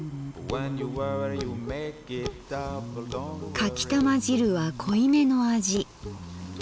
「かきたま汁は濃い目の味。